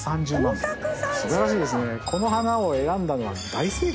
素晴らしいですね。